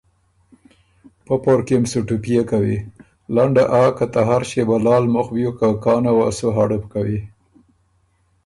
پۀ پورکيې م ټُپئے کوی، لنډه آ که ته هر ݭيې بلا ل مُخ بیوک که کانه وه سُو هړُپ کوی۔